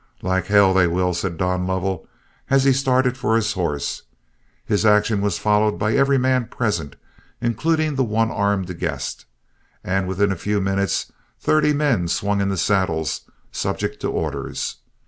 "Like hell they will," said Don Lovell, as he started for his horse. His action was followed by every man present, including the one armed guest, and within a few minutes thirty men swung into saddles, subject to orders.